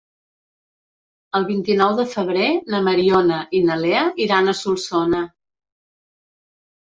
El vint-i-nou de febrer na Mariona i na Lea iran a Solsona.